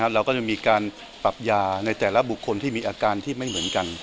เราก็จะมีการปรับยาในแต่ละบุคคลที่มีอาการที่ไม่เหมือนกัน